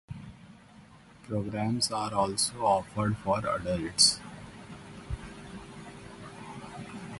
Programs are also offered for adults.